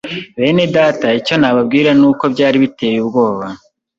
Bene data icyo nababwira ni uko byari biteye ubwoba,